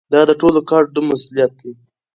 دا د ټولو ګډ مسؤلیت دی.